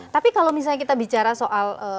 tapi kalau misalnya kita bicara soal